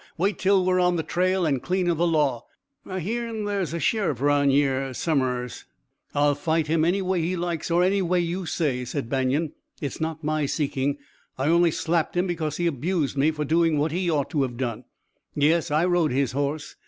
Wait till we're on the trail and clean o' the law. I heern there's a sheriff round yere some'rs." "I'll fight him any way he likes, or any way you say," said Banion. "It's not my seeking. I only slapped him because he abused me for doing what he ought to have done. Yes, I rode his horse.